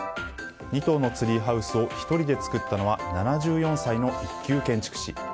２棟のツリーハウスを１人で作ったのは７４歳の１級建築士。